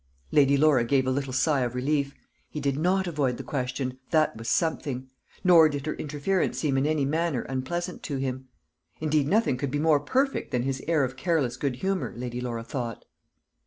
Lady Laura gave a little sigh of relief. He did not avoid the question that was something; nor did her interference seem in any manner unpleasant to him. Indeed, nothing could be more perfect than his air of careless good humour, Lady Laura thought.